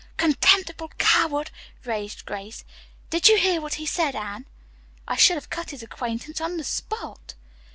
"Contemptible coward!" raged Grace. "Did you hear what he said, Anne?" "I should have cut his acquaintance on the spot."